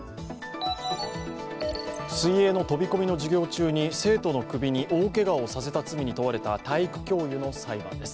水泳の飛び込みの授業中に生徒の首に大けがをさせた罪に問われた体育教諭の裁判です。